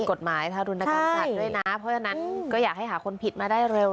กฎหมายทารุณกรรมสัตว์ด้วยนะเพราะฉะนั้นก็อยากให้หาคนผิดมาได้เร็ว